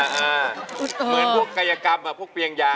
เหมือนพวกกายกรรมพวกเปียงยา